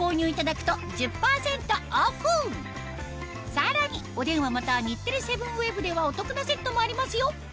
さらにお電話または日テレ７ＷＥＢではお得なセットもありますよ